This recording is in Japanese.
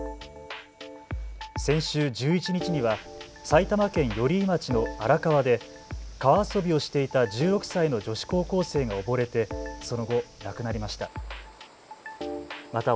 先週１１日には埼玉県寄居町の荒川で川遊びをしていた１６歳の女子高校生が溺れてその後亡くなりました。